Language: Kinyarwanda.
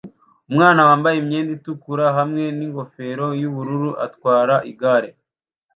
Umwana wambaye imyenda itukura hamwe n'ingofero yubururu atwara igare